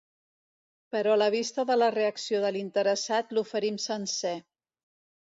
Però a la vista de la reacció de l’interessat l’oferim sencer.